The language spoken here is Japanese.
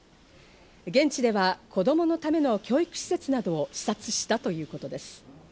現地では子供のための教育施設などを視察したということです。